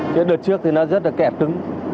trước đợt trước thì nó rất là kẹt đứng